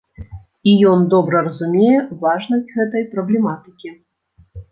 І ён добра разумее важнасць гэтай праблематыкі.